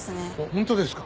本当ですか？